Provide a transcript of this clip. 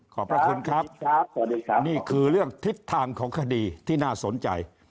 ขอบพระคุณครับนี่คือเรื่องทิศทางของคดีที่น่าสนใจ